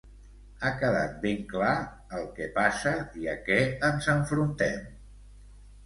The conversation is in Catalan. Ha quedat ben clar el que passa i a què ens enfrontem.